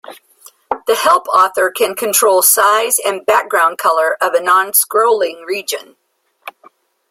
The Help author can control size and background color of a non-scrolling region.